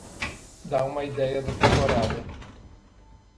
Dá uma ideia da temporada.